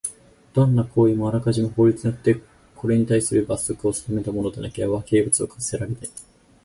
どんな行為もあらかじめ法律によってこれにたいする罰則を定めたものでなければ刑罰を科せられない。